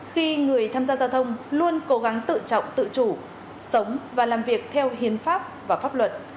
khi người tham gia giao thông luôn cố gắng tự trọng tự chủ sống và làm việc theo hiến pháp và pháp luật